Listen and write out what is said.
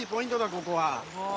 ここは。